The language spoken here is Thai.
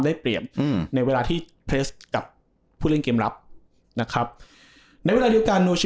ได้เปรียบอืมในเวลาที่เพลสกับผู้เล่นเกมรับนะครับในเวลาเดียวกันโนชิ